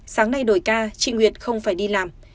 sáng nay đổi ca chị nguyệt không phải đi làm